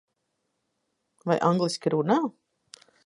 Vai angliski runā?